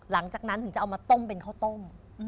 หลังจากนั้นถึงจะเอามาต้มเป็นข้าวต้ม